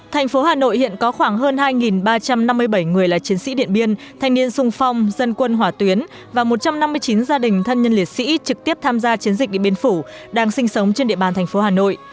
thành phố hà nội hiện có khoảng hơn hai ba trăm năm mươi bảy người là chiến sĩ điện biên thanh niên sung phong dân quân hỏa tuyến và một trăm năm mươi chín gia đình thân nhân liệt sĩ trực tiếp tham gia chiến dịch điện biên phủ đang sinh sống trên địa bàn thành phố hà nội